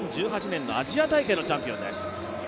２０１８年のアジア大会のチャンピオンです。